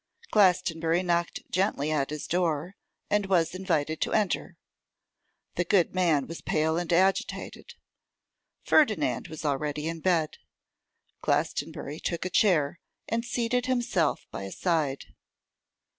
Glastonbury knocked gently at his door, and was invited to enter. The good man was pale and agitated. Ferdinand was already in bed. Glastonbury took a chair, and seated himself by his side.